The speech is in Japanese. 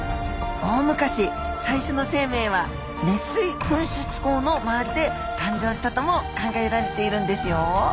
大昔最初の生命は熱水噴出孔の周りで誕生したとも考えられているんですよ。